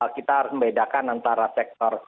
kita harus membedakan antara sektor